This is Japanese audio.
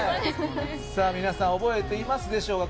皆さん覚えていますでしょうか。